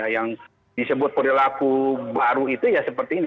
yang disebut perilaku baru itu ya seperti ini